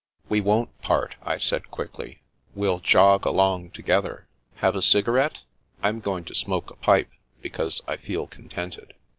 "We won't part," I said quickly. "We'll jog along together. Have a cigarette? I'm going to smoke a pipe, because I feel contented."